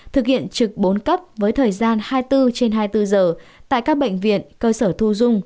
thực hiện trực bốn cấp với thời gian hai mươi bốn trên hai mươi bốn giờ tại các bệnh viện cơ sở thu dung